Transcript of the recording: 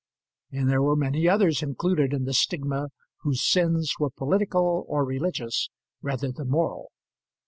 And there were many others included in the stigma whose sins were political or religious rather than moral.